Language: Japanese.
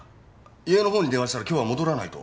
家の方に電話したら今日は戻らないと。